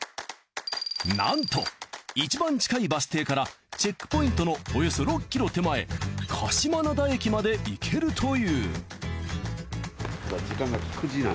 なんといちばん近いバス停からチェックポイントのおよそ６ｋｍ手前鹿島灘駅まで行けるという。